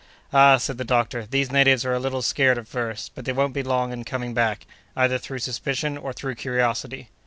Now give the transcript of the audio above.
"Ah!" said the doctor, "these natives are a little scared at first; but they won't be long in coming back, either through suspicion or through curiosity."